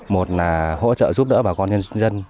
một là hỗ trợ giúp đỡ bà con nhân dân